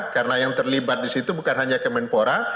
karena yang terlibat di situ bukan hanya pak menpora